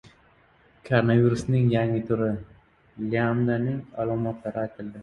Koronavirusning yangi turi — "lyambda"ning alomatlari aytildi